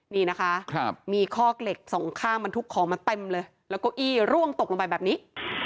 นี่นะคะมีคอกเหล็กสองข้างมันทุกของมันเต็มเลยแล้วก็อี้ร่วงตกลงไปแบบนี้